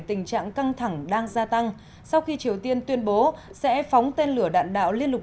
tình trạng căng thẳng đang gia tăng sau khi triều tiên tuyên bố sẽ phóng tên lửa đạn đạo liên lục